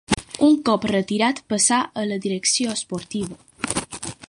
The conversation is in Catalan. Un cop retirat passà a la direcció esportiva.